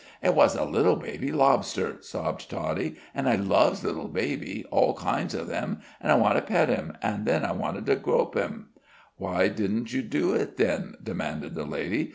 "It was a little baby lobster," sobbed Toddie; "an' I loves little babies all kinds of 'em an' I wanted to pet him. An' then I wanted to grop him." "Why didn't you do it, then?" demanded the lady.